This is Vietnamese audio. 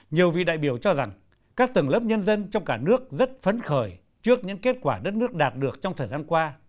nhiều vị đại biểu cho rằng các tầng lớp nhân dân trong cả nước rất phấn khởi trước những kết quả đất nước đạt được trong thời gian qua